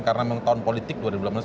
karena tahun politik